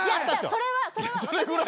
それはそれは。